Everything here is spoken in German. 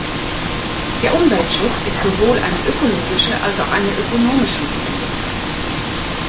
Der Umweltschutz ist sowohl eine ökologische als auch eine ökonomische Notwendigkeit.